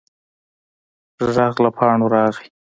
غږ له پاڼو راغی.